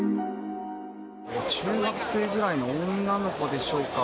中学生くらいの女の子でしょうか。